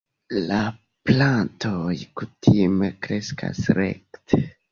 La plantoj kutime kreskas rekte.